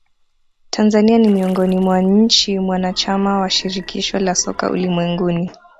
tanzania ni miongoni mwa nchi mwanachama wa shirikisho la soka ulimwenguni